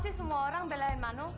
kenapa sih semua orang belain mano